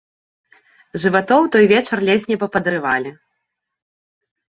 Жыватоў той вечар ледзь не пападрывалі.